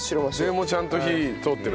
でもちゃんと火通ってる。